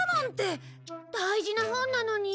大事な本なのに。